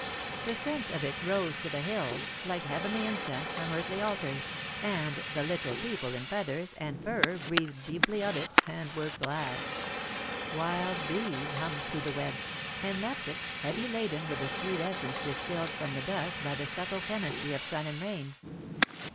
The scent of it rose to the hills, like heavenly incense from earthly altars, and the Little People in feathers and fur breathed deeply of it and were glad. [Sidenote: The Ripening of the Grapes] Wild bees hummed through the web, and left it, heavy laden with the sweet essence distilled from the dust by the subtle chemistry of sun and rain.